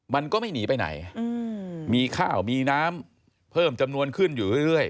มันก็ไม่หนีไปไหนมีข้าวมีน้ำเพิ่มจำนวนขึ้นอยู่เรื่อย